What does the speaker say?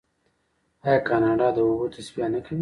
آیا کاناډا د اوبو تصفیه نه کوي؟